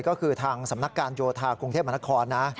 ก็คือทางสำนักการโยธากรุงเทพมหานครนะ